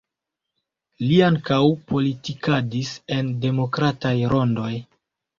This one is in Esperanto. Li ankaŭ politikadis en demokrataj rondoj.